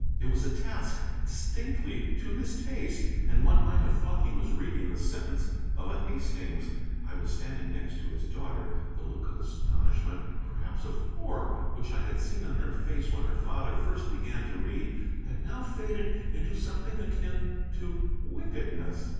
It was a task distinctly to his taste, and one might have thought he was reading the sentence of a Hastings. I was standing next to his daughter. The look of astonishment, perhaps of horror, which I had seen on her face when her father first began to read had now faded into something akin to wickedness.